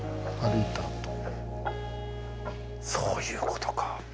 そういうことか。